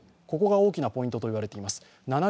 ここが大きなポイントといわれています。